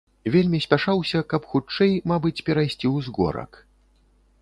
Вельмі спяшаўся, каб хутчэй, мабыць, перайсці ўзгорак.